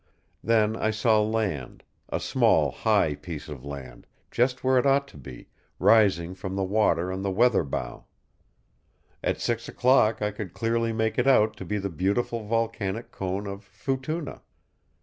Then I saw land, a small, high piece of land, just where it ought to be, rising from the water on the weather bow. At six o'clock I could clearly make it out to be the beautiful volcanic cone of Futuna.